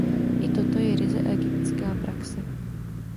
I toto je ryze egyptská praxe.